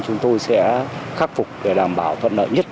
chúng tôi sẽ khắc phục để đảm bảo thuận nợ nhất